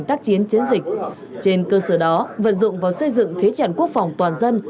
thế chẳng quốc phòng toàn dân thế chẳng quốc phòng toàn dân